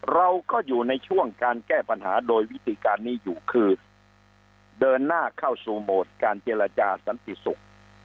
เราก็อยู่ในช่วงการแก้ปัญหาโดยวิธีการนี้อยู่คือเดินหน้าเข้าสู่โหมดการเจรจาสันติศุกร์